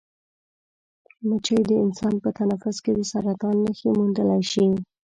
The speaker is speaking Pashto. مچۍ د انسان په تنفس کې د سرطان نښې موندلی شي.